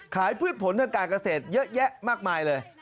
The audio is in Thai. พืชผลทางการเกษตรเยอะแยะมากมายเลย